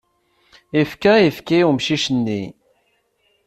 Yefka ayefki i umcic-nni.